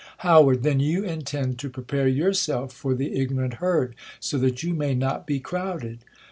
How. Then you intend to prepare yourself for the ignorant herd, so that you may not be crowded.